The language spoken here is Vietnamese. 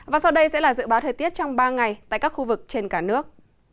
và sau đây sẽ là dự báo thời tiết trong ba ngày tại các khu vực trên cả nước